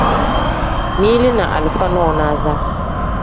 Mili ni alifa nonaza.